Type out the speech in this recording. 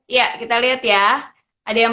iya kita lihat ya ada yang